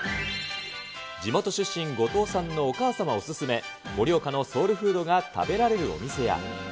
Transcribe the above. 地元出身、後藤さんのお母様お勧め、盛岡のソウルフードが食べられるお店や。